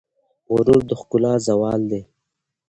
غرور د ښکلا زوال دی.